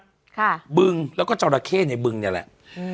ค่ะบึงแล้วก็จราเข้ในบึงเนี่ยแหละอืม